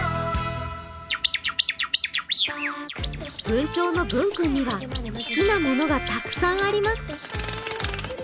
文鳥のぶん君には好きなものがたくさんあります。